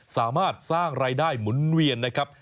สามารถสร้างรายได้หมุนเวียนนะครับ